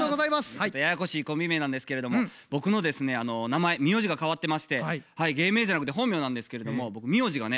ややこしいコンビ名なんですけれども僕の名前名字が変わってまして芸名じゃなくて本名なんですけれども名字がね